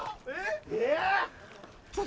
・えっ？